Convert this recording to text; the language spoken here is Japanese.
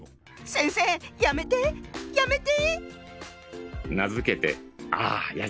先生やめてやめて！